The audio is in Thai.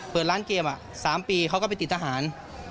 เปิดร้านเกม๓ปีเขาก็ไปติดทหาร